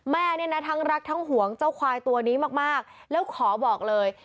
แม่เนี่ยนะทั้งรักทั้งห่วงเจ้าควายตัวนี้มากแล้วขอบอกเลย